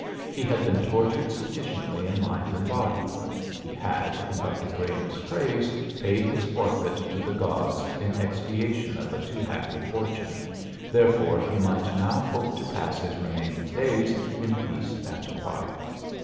He had been tortured sufficiently in mind and body; he had, in Dr Graham's phrase, paid his forfeit to the gods in expiation of a too happy fortune, therefore he might now hope to pass his remaining days in peace and quiet.